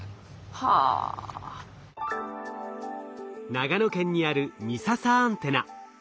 長野県にある美笹アンテナ。